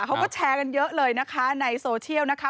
เขาก็แชร์กันเยอะเลยนะคะในโซเชียลนะคะ